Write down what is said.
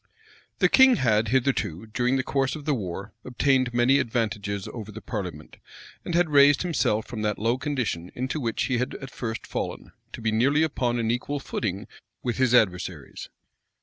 } The king had hitherto, during the course of the war, obtained many advantages over the parliament, and had raised himself from that low condition into which he had at first fallen, to be nearly upon an equal footing with his adversaries.